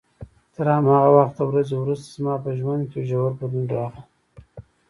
تر همغې ورځې وروسته زما په ژوند کې ژور بدلون راغی.